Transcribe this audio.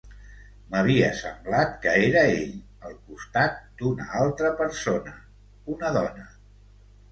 M'havia semblat que era ell, al costat d'una altra persona, una dona.